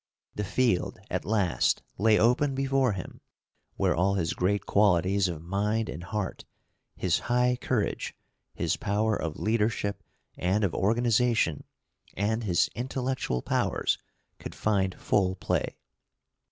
The field, at last, lay open before him, where all his great qualities of mind and heart, his high courage, his power of leadership and of organization, and his intellectual powers could find full play.